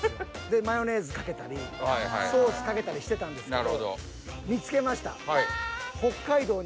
でマヨネーズかけたりソースかけたりしてたんですけど。